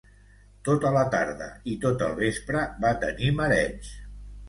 Tota la tarde i tot el vespre, va tenir mareig